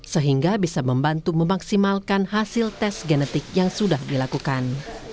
sehingga bisa membantu memaksimalkan hasil tes genetik yang sudah dilakukan